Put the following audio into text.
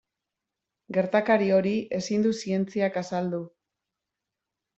Gertakari hori ezin du zientziak azaldu.